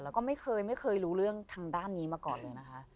แล้วก็ไม่เคยรู้เรื่องทางด้านนี้มาก่อนเลยค่ะ